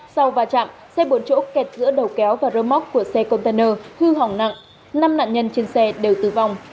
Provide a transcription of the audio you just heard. sau va chạm xe bốn chỗ kẹt giữa đầu kéo và rơ móc của xe container hư hỏng nặng năm nạn nhân trên xe đều tử vong